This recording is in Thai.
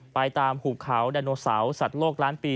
ไปตามหุบเขาไดโนเสาร์สัตว์โลกล้านปี